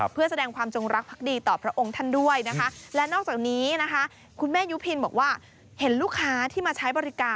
เพื่อแสดงความจงรักภักดีต่อพระองค์ท่านด้วยนะคะ